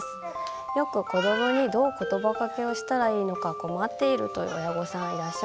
よく子どもにどうことばかけをしたらいいのか困っているという親御さんいらっしゃるんですがそういうときは